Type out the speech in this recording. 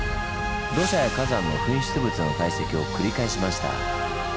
土砂や火山の噴出物の堆積を繰り返しました。